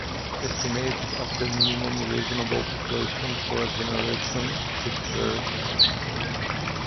Estimates of the minimum reasonable population for a generation ship vary.